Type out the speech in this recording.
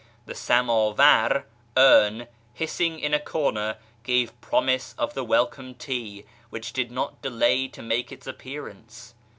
The samdvar (urn) hissing in a corner gave promise of the welcome tea, which did not delay to make its appearance.